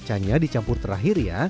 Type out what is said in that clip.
kacanya dicampur terakhir ya